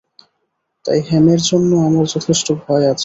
তাই হেমের জন্য আমার যথেষ্ট ভয় আছে।